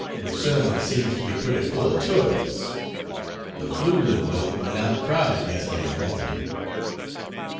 Lucerne seems to be pretty full of tourists. The Fleulen boat went out crowded yesterday morning.